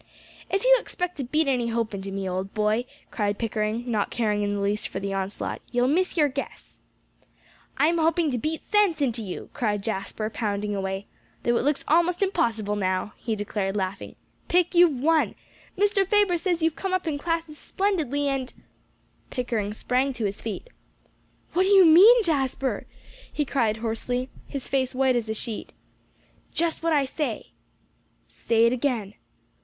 "If you expect to beat any hope into me, old boy," cried Pickering, not caring in the least for the onslaught, "you'll miss your guess." "I'm hoping to beat sense into you," cried Jasper, pounding away, "though it looks almost impossible now," he declared, laughing. "Pick, you've won! Mr. Faber says you've come up in classes splendidly, and " Pickering sprang to his feet. "What do you mean, Jasper?" he cried hoarsely, his face white as a sheet. "Just what I say." "Say it again."